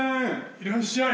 いらっしゃい。